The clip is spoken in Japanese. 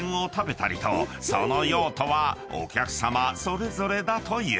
［その用途はお客さまそれぞれだという。